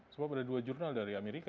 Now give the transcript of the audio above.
sebab ada dua jurnal dari amerika